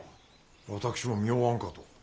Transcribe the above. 私も妙案かと。